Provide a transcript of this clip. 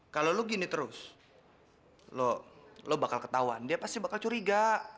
kalau lo gini terus lo bakal ketahuan dia pasti bakal curiga